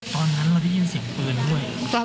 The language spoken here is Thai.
ตอนนั้นเราได้ยินเสียงปืนด้วย